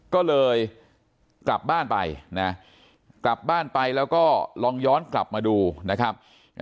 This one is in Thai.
ก็เลยกลับบ้านไปนะกลับบ้านไปแล้วก็ลองย้อนกลับมาดูนะครับ